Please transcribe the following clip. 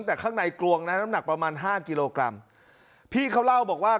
แต่ข้างในกรวงนะน้ำหนักประมาณห้ากิโลกรัมพี่เขาเล่าบอกว่า